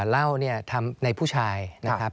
เหล้าเนี่ยทำในผู้ชายนะครับ